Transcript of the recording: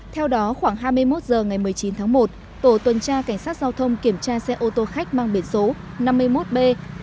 theo đó khoảng hai mươi một h ngày một mươi chín tháng một tổ tuần tra cảnh sát giao thông kiểm tra xe ô tô khách mang biển số năm mươi một b hai mươi sáu nghìn hai trăm năm mươi hai